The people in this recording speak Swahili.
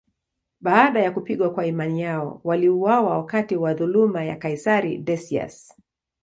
Baada ya kupigwa kwa imani yao, waliuawa wakati wa dhuluma ya kaisari Decius.